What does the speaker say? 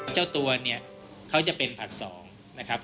เจ้าตัวเขาจะเป็นผลักสองนะครับ